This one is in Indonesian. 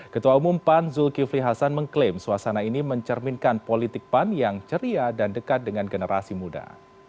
ketua umum pan zulkifli hasan mengklaim suasana ini mencerminkan politik pan yang ceria dan dekat dengan generasi muda